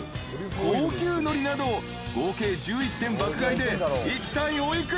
高級のりなど合計１１点爆買いでいったいお幾ら？］